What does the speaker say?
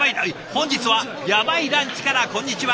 本日はヤバイランチからこんにちは。